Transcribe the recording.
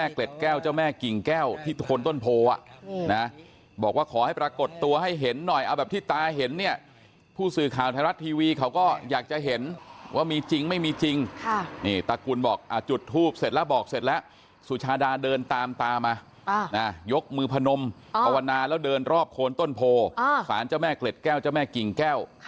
แก้วที่โคนต้นโพอ่ะนะบอกว่าขอให้ประกดตัวให้เห็นหน่อยเอาแบบที่ตาเห็นเนี่ยผู้สื่อข่าวไทยรัฐทีวีเขาก็อยากจะเห็นว่ามีจริงไม่มีจริงค่ะนี่ตากูลบอกอ่าจุดฮูบเสร็จแล้วบอกเสร็จแล้วสู่ชาดาเดินตามตามาอ่าน่ะยกมือพนมอ๋ออวณาแล้วเดินรอบโคนต้นโพออ่าฝานเจ้าแม่